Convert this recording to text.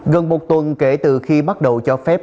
gần một tuần kể từ khi bắt đầu cho phép